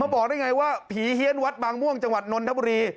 บอกได้ไงว่าผีเฮียนวัดบางม่วงจังหวัดนนทบุรี